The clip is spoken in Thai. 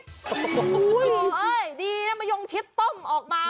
โห้ยโอ้ยดีนะมายมชิตต้มออกมา